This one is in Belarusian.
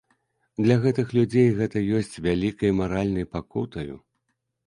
Для гэтых людзей гэта ёсць вялікай маральнай пакутаю.